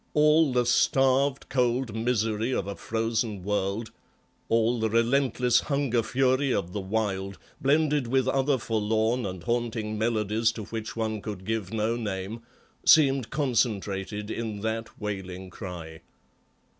All the starved, cold misery of a frozen world, all the relentless hunger fury of the wild, blended with other forlorn and haunting melodies to which one could give no name, seemed concentrated in that wailing cry.